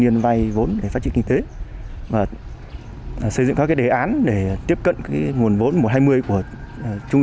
niên vay vốn để phát triển kinh tế và xây dựng các đề án để tiếp cận nguồn vốn mùa hai mươi của trung